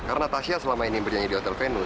karena tasya selama ini bernyanyi di hotel venu